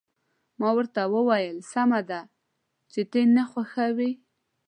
ما ورته وویل: سمه ده، چې ته نه خوښوې.